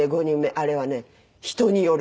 あれはね人による。